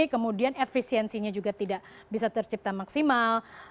kemudian efisiensinya juga tidak bisa tercipta maksimal